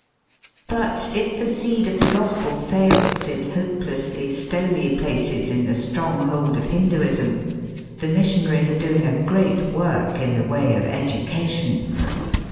But if the seed of the gospel fails in hope lessly stony places in the stronghold of Hin duism the missionaries are doing a great work in the way of education.